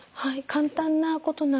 簡単なことなんですが。